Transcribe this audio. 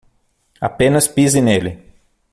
Apenas pise nele.